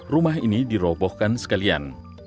rumah ini dirobohkan sekalian